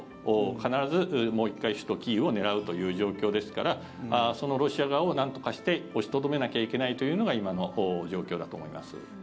必ずもう１回首都キーウを狙うという状況ですからそのロシア側をなんとかして押しとどめなきゃいけないというのが今の状況だと思います。